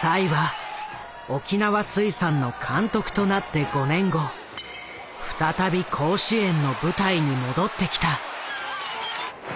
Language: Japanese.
栽は沖縄水産の監督となって５年後再び甲子園の舞台に戻ってきた。